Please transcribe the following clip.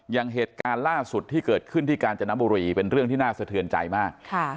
อย่างเหตุการณ์ล่าสุดที่เกิดขึ้นที่กาญจนบุรีเป็นเรื่องที่น่าสะเทือนใจมาก